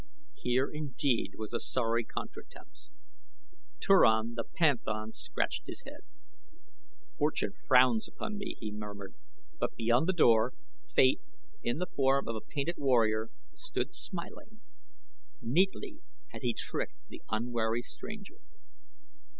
Here indeed was a sorry contretemps. Turan the panthan scratched his head. "Fortune frowns upon me," he murmured; but beyond the door, Fate, in the form of a painted warrior, stood smiling. Neatly had he tricked the unwary stranger.